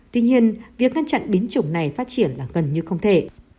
tuy nhiên việc ngăn chặn biến chủng này phát triển là gần như không thể